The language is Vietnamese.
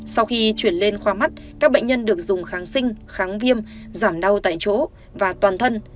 sau khi chuyển lên khoa mắt các bệnh nhân được dùng kháng sinh kháng viêm giảm đau tại chỗ và toàn thân